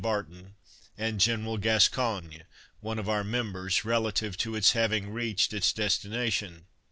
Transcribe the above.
Barton, and General Gascoigne, one of our members, relative to its having reached its destination.